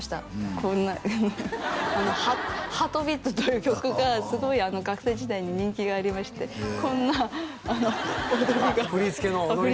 こんな「Ｈｅａｒｔｂｅａｔ」という曲がすごい学生時代に人気がありましてこんな踊りが振り付けの踊りの？